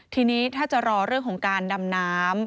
ทีนี้ถ้าจะรอเรื่องของการดำน้ำ